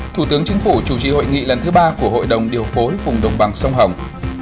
thủ tướng chủ trì hội nghị lần thứ ba của hội đồng điều phối vùng đồng bằng sông hồng